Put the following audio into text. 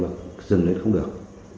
là dừng lên không được